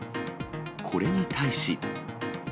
これに対し。